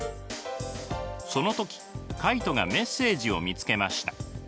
その時カイトがメッセージを見つけました。